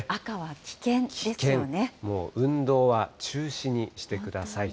危険、もう運動は中止にしてください。